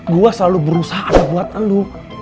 gue selalu berusaha buat nu